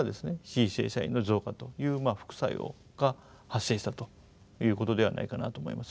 非正社員の増加という副作用が発生したということではないかなと思います。